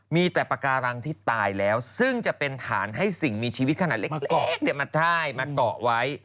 มีแต่ปากการังที่ตายแล้วซึ่งจะเป็นฐานให้สิ่งมีชีวิตขนาดเล็กเกาะมายมาเกาะไว้